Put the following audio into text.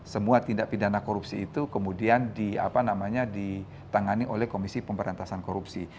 semua tindak pidana korupsi itu kemudian ditangani oleh komisi pemberantasan korupsi